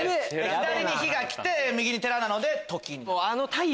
左に日が来て右に寺なので「時」になる。